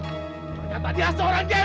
ternyata dia seorang gembel